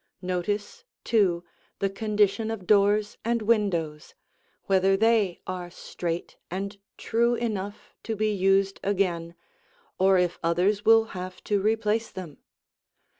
Notice, too, the condition of doors and windows; whether they are straight and true enough to be used again, or if others will have to replace them.